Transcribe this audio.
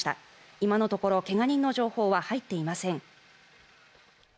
今のところけが人の情報は入っていません。